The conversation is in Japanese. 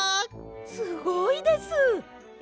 すごいです！